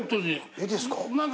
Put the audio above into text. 絵ですか？